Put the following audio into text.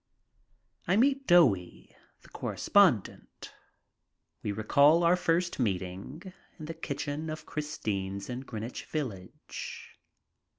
I meet Doughie, the correspondent. We recall our first meeting in the kitchen of Christine's in Greenwich Village.